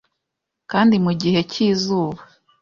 kandi mu gihe cy’izuba